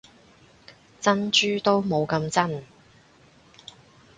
珍珠都冇咁真